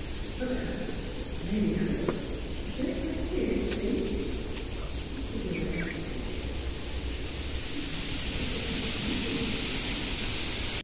" But the house — may we have it? — just as it is, please." Miss Philura hesitated. "I hadn't thought about renting it?" she said.